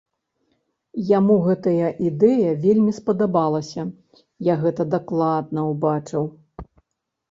Яму гэтая ідэя вельмі спадабалася, я гэта дакладна ўбачыў!